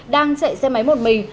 đang chạy xe máy một mình